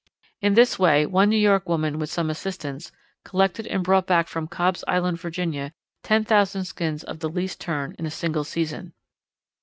In this way one New York woman with some assistants collected and brought back from Cobbs' Island, Virginia, 10,000 skins of the Least Tern in a single season.